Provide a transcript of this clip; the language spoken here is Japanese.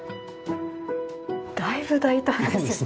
だいぶ大胆ですよね。